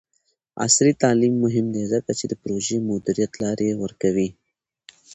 عصري تعلیم مهم دی ځکه چې د پروژې مدیریت لارې ورکوي.